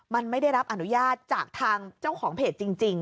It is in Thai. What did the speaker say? มันไม่ได้รับอนุญาตจากทางเจ้าของเพจจริง